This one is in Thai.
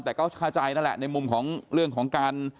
แต่ก็เข้าใจนั่นแหละในมุมของเรื่องของการ